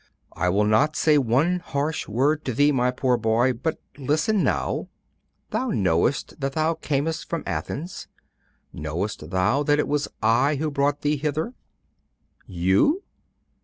I will not say one harsh word to thee, my poor boy. But listen now! Thou knowest that thou camest from Athens. Knowest thou that it was I who brought thee hither?' 'You?